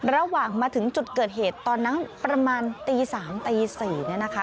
ระหว่างมาถึงจุดเกิดเหตุตอนนั้นประมาณตี๓ตี๔เนี่ยนะคะ